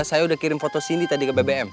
saya udah kirim foto sindi tadi ke bbm